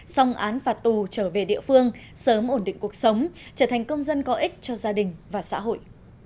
xong án phạt tù trở về địa phương sớm ổn định cuộc sống trở thành công dân có ích cho gia đình và xã hội